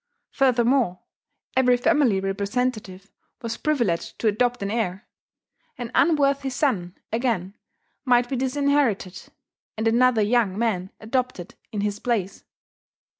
Furthermore, every family representative was privileged to adopt an heir. An unworthy son, again, might be disinherited, and another young man adopted in his place.